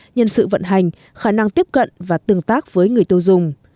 nhân sự vận hành khả năng tiếp cận và tương tác với người tiêu dùng